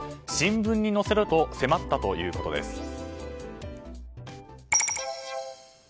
新聞に載せろと迫ったということです。